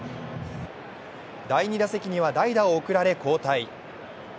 第２打席には代打を送られ、交代。